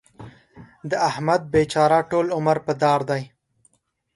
د احمد بېچاره ټول عمر په دار دی.